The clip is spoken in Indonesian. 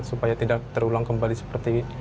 supaya tidak terulang kebunuh